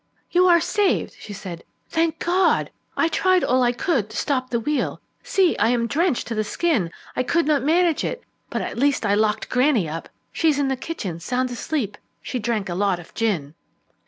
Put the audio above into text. "You are saved," she said; "thank God! I tried all I could to stop the wheel. See, I am drenched to the skin; I could not manage it. But at least I locked Grannie up. She's in the kitchen, sound asleep. She drank a lot of gin."